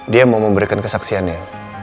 dia mau memberikan kesaksiannya